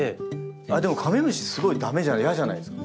でもカメムシすごい駄目じゃ嫌じゃないですか。